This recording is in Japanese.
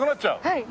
はい。